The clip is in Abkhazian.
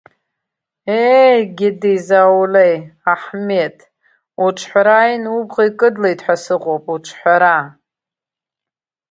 Еи, геди, зауалеи, Аҳмеҭ, уҿҳәара ааины убӷа икыдгылеит ҳәа сыҟоуп, уҿҳәара!